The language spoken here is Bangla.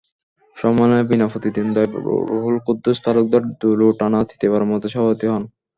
সম্মেলনে বিনা প্রতিদ্বন্দ্বিতায় রুহুল কুদ্দুস তালুকদার দুলু টানা তৃতীয়বারের মতো সভাপতি হন।